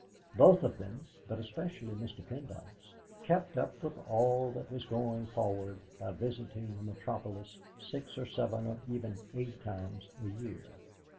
Both of them, but especially Mr. Pendyce, kept up with all that was going forward by visiting the Metropolis six or seven or even eight times a year.